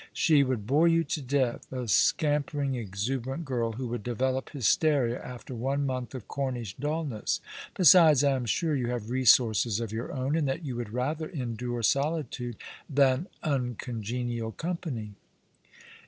She would bore you to death — a scampering, exuberant girl, who would develop hysteria ^^ The Rain set early in To night,'' 15 after one month of Cornish dulnesg. Besides, I am sure you have resources of your own, and that you would rather endure solitude than uncongenial company."